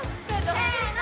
せの！